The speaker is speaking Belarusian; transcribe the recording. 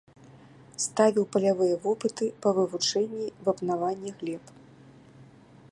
Ставіў палявыя вопыты па вывучэнні вапнавання глеб.